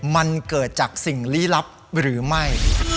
มันเกิดจากสิ่งลี้ลับหรือไม่